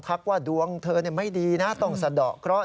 ทักว่าดวงเธอไม่ดีนะต้องสะดอกเคราะห